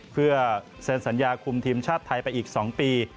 เพื่อเซ็นสัญญาคุมทีมชาติไทยไปอีก๒ปี